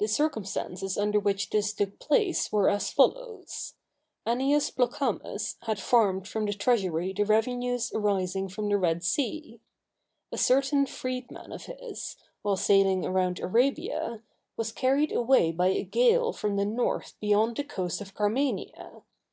The circumstances under which this took place were as follows: Annius Plocamus had farmed from the treasury the revenues arising from the Red Sea. A certain freedman of his, while sailing around Arabia, was carried away by a gale from the north beyond the coast of Carmania.